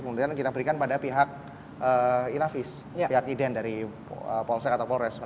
kemudian kita berikan pada pihak inavis pihak iden dari polsek atau polres